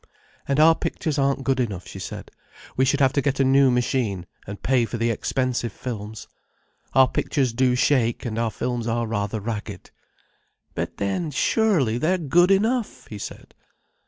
"And our pictures aren't good enough," she said. "We should have to get a new machine, and pay for the expensive films. Our pictures do shake, and our films are rather ragged." "But then, surely they're good enough!" he said.